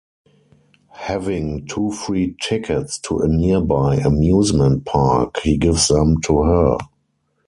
Having two free tickets to a nearby amusement park, he gives them to her.